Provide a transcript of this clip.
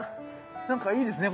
なんかいいですね